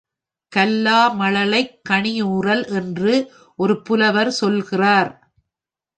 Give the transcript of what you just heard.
கல்லா மழலைக் கணியூறல் என்று ஒரு புலவர் சொல்கிறார்.